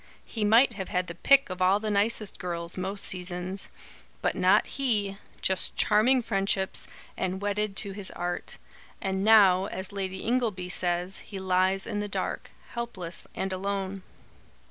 He might have had the pick of all the nicest girls, most seasons. But not he! Just charming friendships, and wedded to his art. And now, as Lady Ingleby, says, he lies in the dark, helpless and alone."